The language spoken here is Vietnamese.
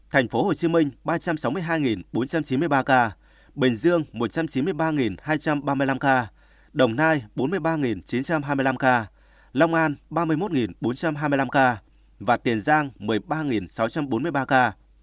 tp hcm ba trăm sáu mươi hai bốn trăm chín mươi ba ca bình dương một trăm chín mươi ba hai trăm ba mươi năm ca đồng nai bốn mươi ba chín trăm hai mươi năm ca long an ba mươi một bốn trăm hai mươi năm ca và tiền giang một mươi ba sáu trăm bốn mươi ba ca